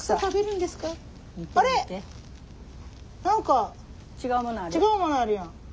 何か違うものあるやん。